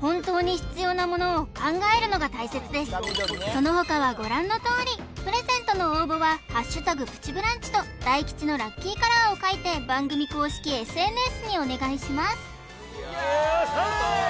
本当に必要なものを考えるのが大切ですその他はご覧のとおりプレゼントの応募は「＃プチブランチ」と大吉のラッキーカラーを書いて番組公式ＳＮＳにお願いしますよっしゃ！